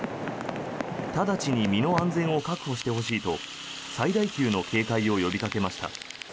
直ちに身の安全を確保してほしいと最大級の警戒を呼びかけました。